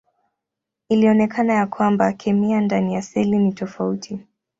Ilionekana ya kwamba kemia ndani ya seli ni tofauti.